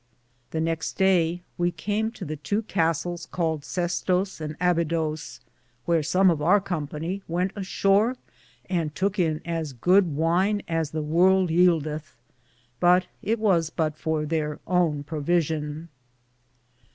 The nexte daye we came to the tow Castles caled Ses toes and Abidose, wheare som of our company wente ashore and touke in as good wyne as the worlde yeldethe, but it was but for their owne provition.